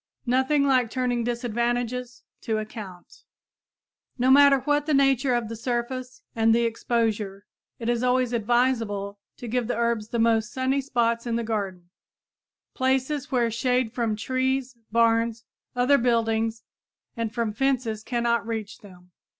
Nothing like turning disadvantages to account! No matter what the nature of the surface and the exposure, it is always advisable to give the herbs the most sunny spots in the garden, places where shade from trees, barns, other buildings and from fences cannot reach them.